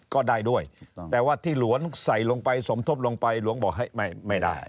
ก็ได้ด้วยแต่ว่าที่หลวงใส่ลงไปสมทบลงไปหลวงบอกให้ไม่ได้